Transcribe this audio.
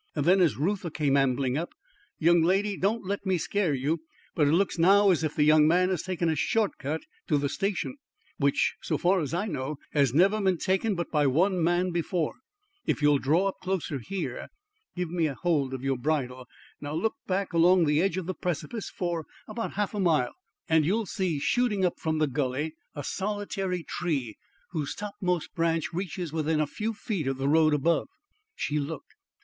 Then as Reuther came ambling up, "Young lady, don't let me scare you, but it looks now as if the young man had taken a short cut to the station, which, so far as I know, has never been taken but by one man before. If you will draw up closer here! give me hold of your bridle. Now look back along the edge of the precipice for about half a mile, and you will see shooting up from the gully a solitary tree whose topmost branch reaches within a few feet of the road above." She looked.